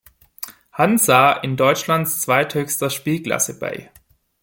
Hansa in Deutschlands zweithöchster Spielklasse bei.